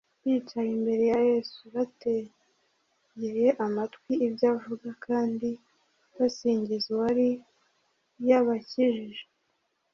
bicaye imbere ya yesu bategeye amatwi ibyo avuga kandi basingiza uwari yabakijije